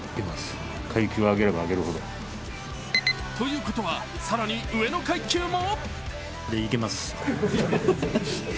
ということは、更に上の階級も？